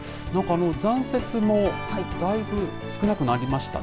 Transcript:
残雪もだいぶ少なくなりましたね。